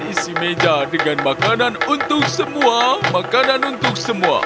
isi meja dengan makanan untuk semua makanan untuk semua